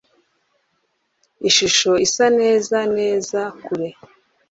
Ishusho isa neza neza kure.